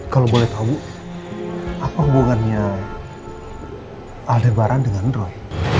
kalau boleh tahu apa hubungannya aldebaran dengan roy